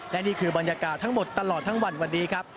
และนี่คือบรรยากาศทั้งหมดตลอดทั้งวันวันนี้ครับ